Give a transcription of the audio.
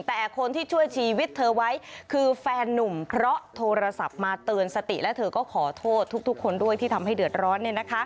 แต่คนที่ช่วยชีวิตเธอไว้คือแฟนนุ่มเพราะโทรศัพท์มาเตือนสติและเธอก็ขอโทษทุกคนด้วยที่ทำให้เดือดร้อน